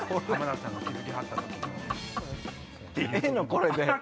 これで。